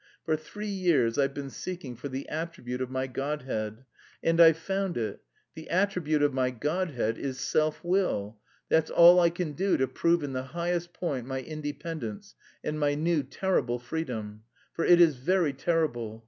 For three years I've been seeking for the attribute of my godhead and I've found it; the attribute of my godhead is self will! That's all I can do to prove in the highest point my independence and my new terrible freedom. For it is very terrible.